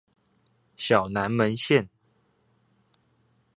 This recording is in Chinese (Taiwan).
小南門線